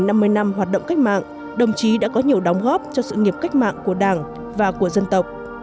trong năm mươi năm hoạt động cách mạng đồng chí đã có nhiều đóng góp cho sự nghiệp cách mạng của đảng và của dân tộc